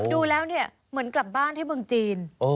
ดูแล้วเนี่ยเหมือนกลับบ้านที่เมืองจีน